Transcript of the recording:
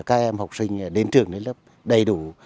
để cho các em học sinh đến trường lớp đầy đủ